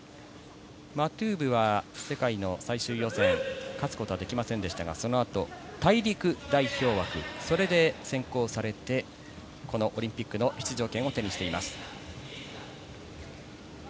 マトゥーブは世界の最終予選、勝つことはできませんでしたが、その後、大陸代表枠、それで選考されてこのオリンピックの出場権を手にしています。